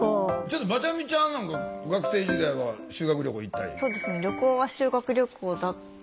ちょっとまちゃみちゃんなんか学生時代は修学旅行行ったり？